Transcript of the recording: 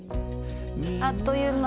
あっという間。